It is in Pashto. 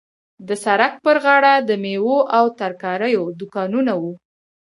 د سړک پر غاړه د میوو او ترکاریو دوکانونه وو.